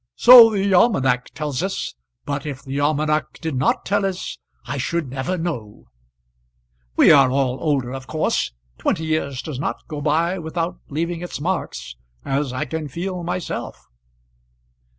"So the almanac tells us; but if the almanac did not tell us I should never know. We are all older, of course. Twenty years does not go by without leaving its marks, as I can feel myself."